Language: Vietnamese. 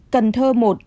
cần thơ một